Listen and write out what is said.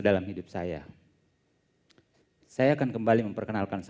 dia menyuruh saya keruning regiment california